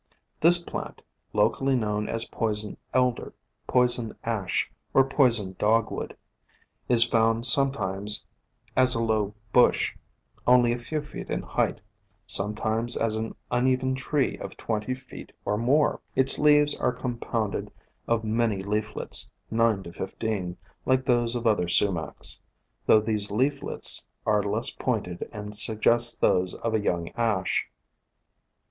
This plant, locally known as Poison Elder, Poison Ash or Poison i68 POISONOUS PLANTS Dogwoodr is found sometimes as a low bush, only a few feet in height, sometimes as an uneven tree of twenty feet or more. Its leaves are compounded of many leaflets, 9 15, like those of other Sumacs, though these leaflets are less pointed and suggest those of a young Ash.